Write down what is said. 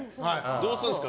どうするんですか？